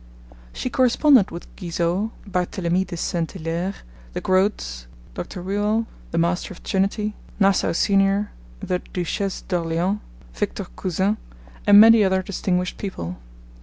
She corresponded with Guizot, Barthelemy de St. Hilaire, the Grotes, Dr. Whewell, the Master of Trinity, Nassau Senior, the Duchesse d'Orleans, Victor Cousin, and many other distinguished people.